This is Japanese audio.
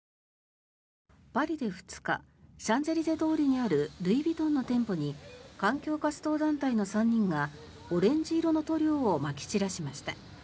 パリで２日シャンゼリゼ通りにあるルイ・ヴィトンの店舗に環境活動団体の３人がオレンジ色の塗料をまき散らしました。